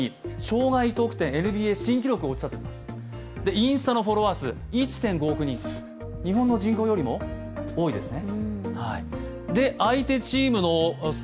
インスタのフォロワー数、日本の人口よりも多いですね。